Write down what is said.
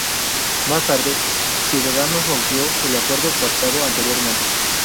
Más tarde, Ciudadanos rompió el acuerdo pactado anteriormente.